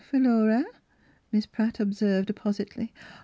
ii, Philura," Miss Pratt observed ap poiiitely.